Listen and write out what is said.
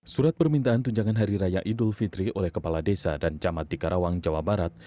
surat permintaan tunjangan hari raya idul fitri oleh kepala desa dan camat di karawang jawa barat